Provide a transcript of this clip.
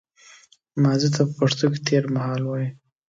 ماضي ته په پښتو ژبه کې تېرمهال وايي